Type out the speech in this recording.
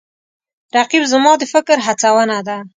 رقیب زما د فکر هڅونه ده